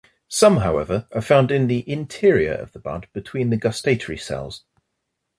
Some, however, are found in the interior of the bud between the gustatory cells.